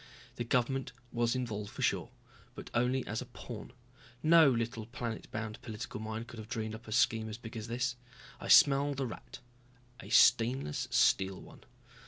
The government was involved for sure but only as a pawn. No little planet bound political mind could have dreamed up as big a scheme as this. I smelled a rat a stainless steel one.